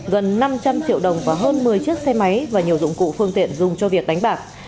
gần năm trăm linh triệu đồng và hơn một mươi chiếc xe máy và nhiều dụng cụ phương tiện dùng cho việc đánh bạc